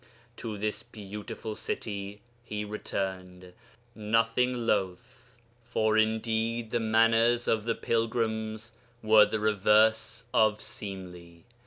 To this beautiful city he returned, nothing loth, for indeed the manners of the pilgrims were the reverse of seemly.